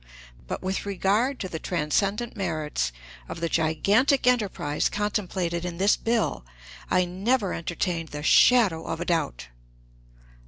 But with regard to the transcendent merits of the gigantic enterprise contemplated in this bill I never entertained the shadow of a doubt.